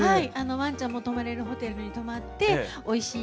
わんちゃんも泊まれるホテルに泊まっておいしい